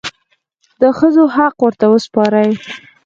د ښځو حق ورته وسپارئ.